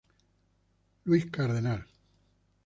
Louis Cardinals.